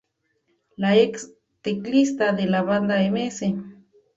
La ex-teclista de la banda Ms.